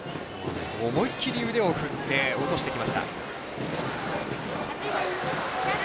思い切り腕を振って落としてきました。